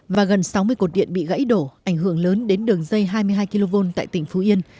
và gần sáu mươi cột điện bị gãy đổ ảnh hưởng lớn đến đường dây hai mươi hai kv tại tỉnh phú yên